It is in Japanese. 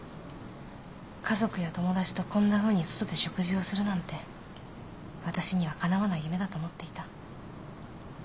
家族や友達とこんなふうに外で食事をするなんて私にはかなわない夢だと思っていた。